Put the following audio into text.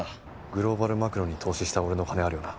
グローバルマクロに投資した俺の金あるよな？